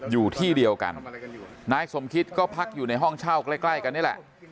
อยู่ที่เดียวกันนายสมคิตก็พักอยู่ในห้องเช่าใกล้ใกล้กันนี่แหละ